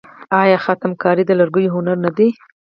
آیا خاتم کاري د لرګیو هنر نه دی؟